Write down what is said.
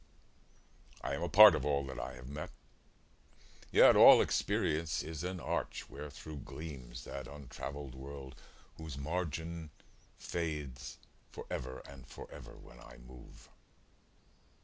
I am a part of all that I have met; Yet all experience is an arch wherethro' Gleams that untravell'd world whose margin fades For ever and forever when I move.